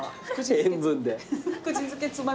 塩分で？